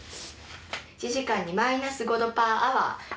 １時間にマイナス５度パーアワー上昇